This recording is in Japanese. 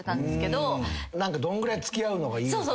どんぐらい付き合うのがいいのか。